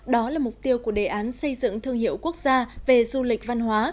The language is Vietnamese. đó là mục tiêu của đề án xây dựng thương hiệu quốc gia về du lịch văn hóa